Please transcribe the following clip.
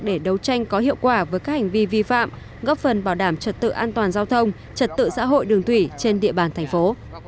để đấu tranh có hiệu quả với các hành vi vi phạm góp phần bảo đảm trật tự an toàn giao thông trật tự xã hội đường thủy trên địa bàn thành phố